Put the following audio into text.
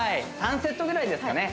３セットぐらいですかね